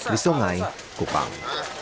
di sungai kupang